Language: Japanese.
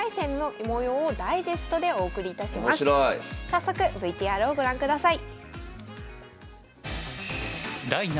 早速ＶＴＲをご覧ください。